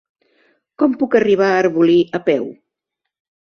Com puc arribar a Arbolí a peu?